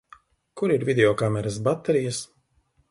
Kur ir videokameras baterijas?